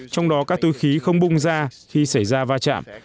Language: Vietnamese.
trong đó các túi khí không bung ra khi xảy ra va chạm